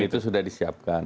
dan itu sudah disiapkan